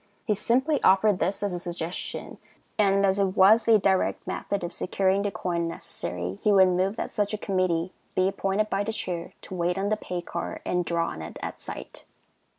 He simply offered this as a suggestion, and, as it was a direct method of securing the coin necessary, he would move that such a committee be appointed by the Chair to wait on the pay car and draw on it at sight.